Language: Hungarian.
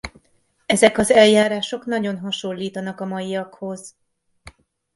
Ezek az eljárások nagyon hasonlítanak a maiakhoz.